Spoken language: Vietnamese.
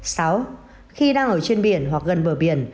khi đang ở trên biển hoặc gần bờ biển